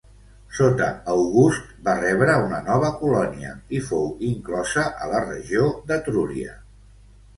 Sota August va rebre una nova colònia i fou inclosa a la regió d'Etrúria.